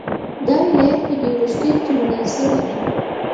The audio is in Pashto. دا ولایت په دې وروستیو کې منل شوی دی.